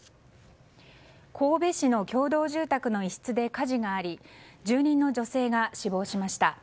神戸市の共同住宅の一室で火事があり住人の女性が死亡しました。